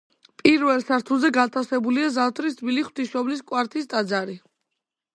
პირველ სართულზე განთავსებულია ზამთრის თბილი ღვთისმშობლის კვართის ტაძარი.